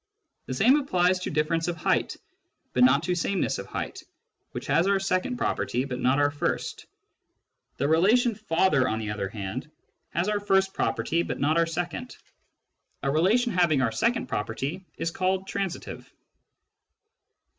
The same applies to difference of height, but not to sameness of height, which has our second property but not our first. The relation " father," on the other hand, has our first property but not 32 Introduction to Mathematical Philosophy our second. A relation having our second property is called transitive.